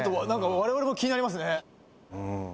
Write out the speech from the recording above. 「我々も気になりますね」